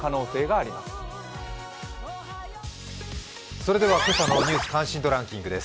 それでは今朝の「ニュース関心度ランキング」です。